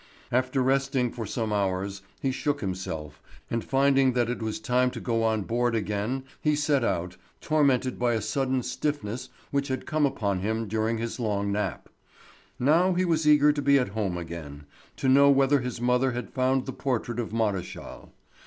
After resting for some hours he shook himself, and finding that it was time to go on board again he set out, tormented by a sudden stiffness which had come upon him during his long nap. Now he was eager to be at home again; to know whether his mother had found the portrait of Maréchal.